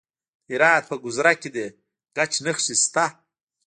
د هرات په ګذره کې د ګچ نښې شته.